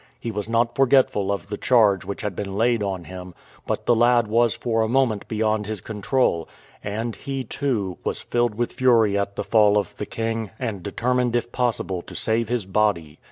He was not forgetful of the charge which had been laid on him, but the lad was for a moment beyond his control, and he, too, was filled with fury at the fall of the king, and determined if possible to save his body.